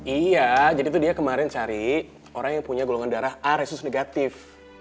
iya jadi itu dia kemarin cari orang yang punya golongan darah a resus negatif